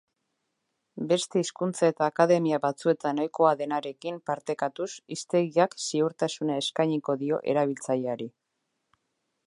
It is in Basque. Beste hizkuntza eta akademia batzuetan ohikoa denarekin parekatuz hiztegiak ziurtasuna eskainiko dio erabiltzaileari.